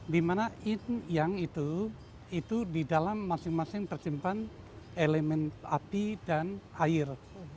dimana yin yang itu itu didalam masing masing terimpan elemen api dan air